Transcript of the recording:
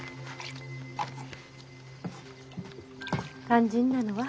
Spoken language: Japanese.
肝心なのは。